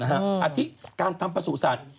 อันที่การทำประสูจน์